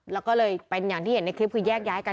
แล้วก็เลยเป็นอย่างที่เห็นในคลิปคือแยกย้ายกัน